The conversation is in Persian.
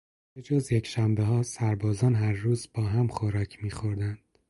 به جز یکشنبهها سربازان هر روز با هم خوراک میخوردند.